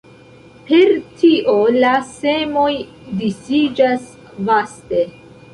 Per tio la semoj disiĝas vaste.